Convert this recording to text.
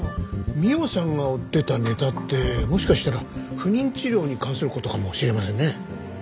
美緒さんが追ってたネタってもしかしたら不妊治療に関する事かもしれませんね。